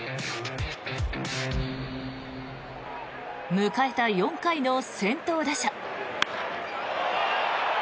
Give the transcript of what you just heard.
迎えた４回の先頭打者。